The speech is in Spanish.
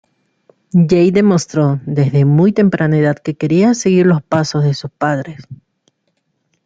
Jey demostró desde muy temprana edad que quería seguir los pasos de sus padres.